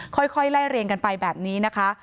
ค่อยไล่เรียงกันไปแบบนี้นะคะ